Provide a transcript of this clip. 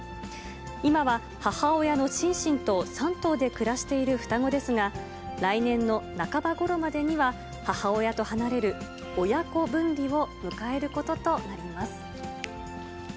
今は母親のシンシンと３頭で暮らしている双子ですが、来年の半ばごろまでには、母親と離れる親子分離を迎えることとなります。